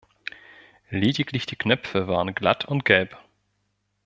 Lediglich die Knöpfe waren glatt und gelb.